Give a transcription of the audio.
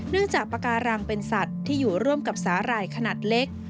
จากปากการังเป็นสัตว์ที่อยู่ร่วมกับสาหร่ายขนาดเล็ก